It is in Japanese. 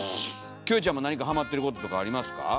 キョエちゃんも何かはまってることとかありますか？